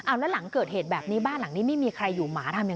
อ่ะแล้วหลังเกิดเหตุแบบนี้บ้านหลังนี้ไม่มีใครอยู่